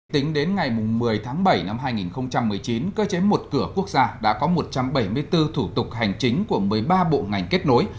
tính đến ngày một mươi tháng bảy năm hai nghìn một mươi chín cơ chế một cửa quốc gia đã có một trăm bảy mươi bốn thủ tục hành chính của một mươi ba bộ ngành kết nối